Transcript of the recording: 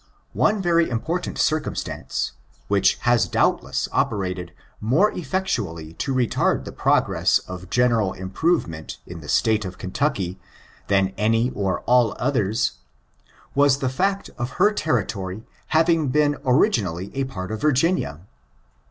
One very important circumstance, which has doubtless operated more effectually to retard the progress of general improvement in the State of Kentucky than any or all others, was the fact of her territory having been ori^ally a part of Virginia.